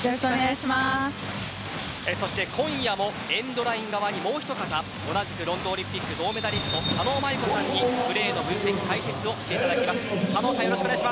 そして今夜もエンドライン側にもう一方同じくロンドンオリンピック銅メダリスト狩野舞子さんにプレーの分析、解説をしていただきます。